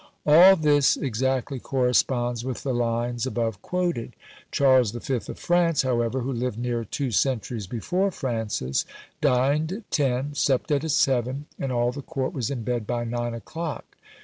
All this exactly corresponds with the lines above quoted. Charles V. of France, however, who lived near two centuries before Francis, dined at ten, supped at seven, and all the court was in bed by nine o'clock.